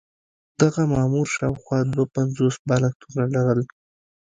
دغه مامور شاوخوا دوه پنځوس بالښتونه لرل.